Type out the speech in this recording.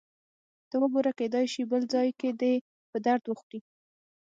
ته وګوره، کېدای شي بل ځای کې دې په درد وخوري.